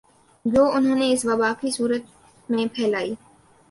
جو انھوں نے اس وبا کی صورت میں پھیلائی